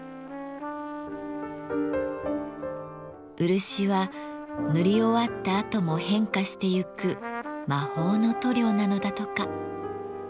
漆は塗り終わったあとも変化してゆく魔法の塗料なのだとか。